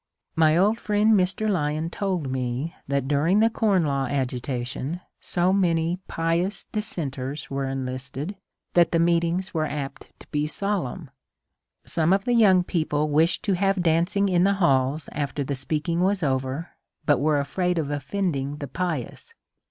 My old friend Mr. Lyon told me that during the Com Law agitation so many pious dissenters were enlisted that the meet ings were apt to be solemn. Some of the young people wished to have dancing in the halls after the speaking was over, but were afraid of offending the pious.